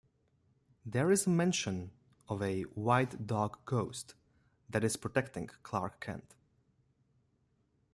There is mention of a white dog ghost that is protecting Clark Kent.